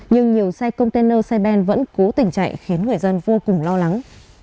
nhưng nhiều xe container xe ben vẫn cố tình chạy khiến người dân vô cùng lo lắng